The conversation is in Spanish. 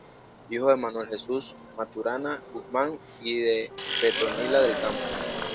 Hijo de Manuel Jesús Maturana Guzmán y de Petronila del Campo.